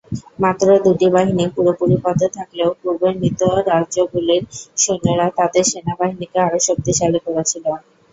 মাত্র দুটি বাহিনী পুরোপুরি পদে থাকলেও পূর্বের মিত্র রাজ্যগুলির সৈন্যরা তাদের সেনাবাহিনীকে আরও শক্তিশালী করেছিল।